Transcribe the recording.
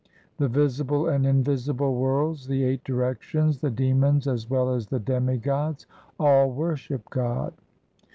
The visible and invisible worlds, the eight directions, the demons as well as the demigods all worship God.